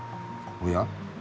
おや？